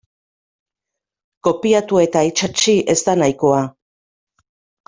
Kopiatu eta itsatsi ez da nahikoa.